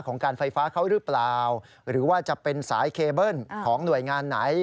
การไฟฟ้าเขาหรือเปล่าหรือว่าจะเป็นสายเคเบิ้ลของหน่วยงานไหน